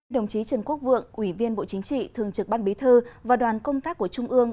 đồng chí trần quốc vượng ủy viên bộ chính trị thường trực ban bí thư và đoàn công tác của trung ương